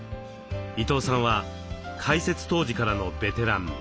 伊東さんは開設当時からのベテラン。